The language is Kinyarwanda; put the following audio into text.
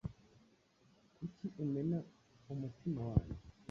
Kuki umena umutima wanjye,